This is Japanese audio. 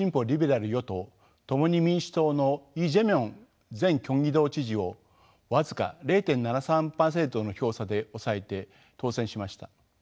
リベラル与党「共に民主党」のイ・ジェミョン前キョンギ道知事を僅か０．７３％の票差で抑えて当選しました。